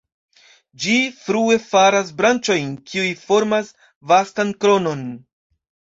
Ĝi frue faras branĉojn, kiuj formas vastan kronon.